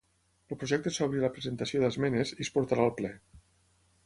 El projecte s'obre a la presentació d'esmenes i es portarà al ple.